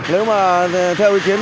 nếu mà theo ý kiến